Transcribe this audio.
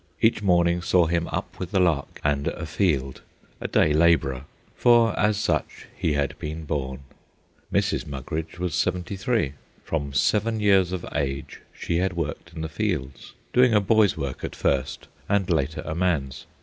Each morning saw him up with the lark and afield, a day labourer, for as such he had been born. Mrs. Mugridge was seventy three. From seven years of age she had worked in the fields, doing a boy's work at first, and later a man's.